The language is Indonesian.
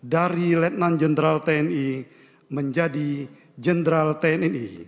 dari letnan jenderal tni menjadi jenderal tni